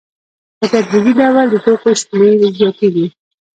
په تدریجي ډول د توکو شمېر زیاتېږي